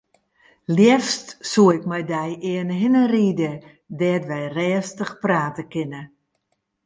Leafst soe ik mei dy earne hinne ride dêr't wy rêstich prate kinne.